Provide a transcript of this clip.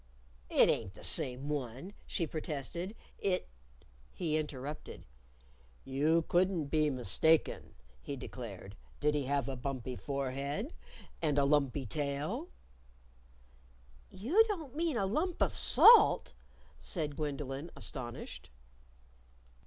"It ain't the same one," she protested. "It " He interrupted. "You couldn't be mistaken," he declared. "Did he have a bumpy forehead? and a lumpy tail?" "You don't mean a lump of salt," said Gwendolyn, astonished.